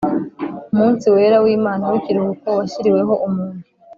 Umunsi wera w’Imana w’ikiruhuko washyiriweho umuntu